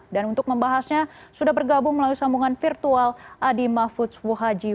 dan untuk membahasnya sudah bergabung melalui sambungan virtual adi mahfudz fuhaji